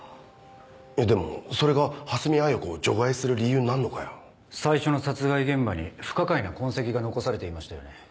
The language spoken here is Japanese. でもそれが蓮見綾子を除外する理由になんのかよ。最初の殺害現場に不可解な痕跡が残されていましたよね？